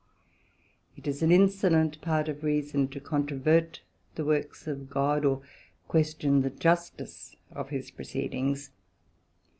It is an insolent part of reason, to controvert the Works of God, or question the Justice of his proceedings.